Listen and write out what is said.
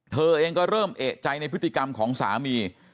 เธอเองก็เริ่มเอกใจในพฤติกรรมของสามี